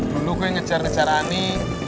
dulu gue ngejar ngejar ani